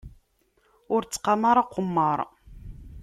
Ur ttqamar aqemmar.